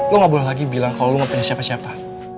lo gak boleh lagi bilang kalau lo gak punya siapa siapa